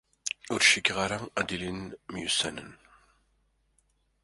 Ur cikkeɣ ara ad ilin myussanen.